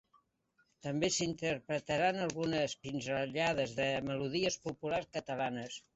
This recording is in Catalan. També s’interpretaran algunes pinzellades de melodies populars catalanes.